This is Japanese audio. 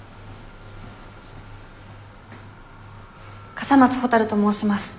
笠松ほたると申します。